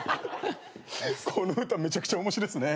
この歌めちゃくちゃ面白いっすね。